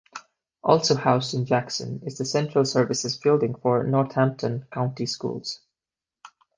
Also housed in Jackson is the Central Services building for Northampton County Schools.